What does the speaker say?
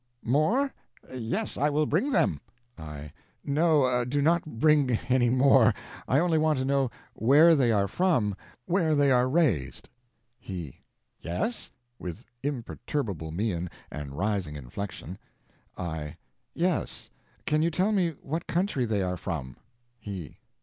More? Yes, I will bring them. I. No, do not bring any more; I only want to know where they are from where they are raised. He. Yes? (with imperturbable mien and rising inflection.) I. Yes. Can you tell me what country they are from? He.